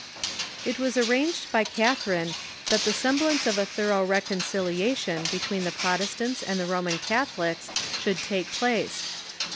It was arranged by Catharine that the semblance of a thor ough reconciliation betAveen the Protestants and the Roman Catholics should take place.